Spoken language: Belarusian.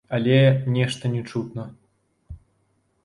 Але нешта не чутна.